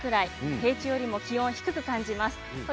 平地よりも気温が低く感じます。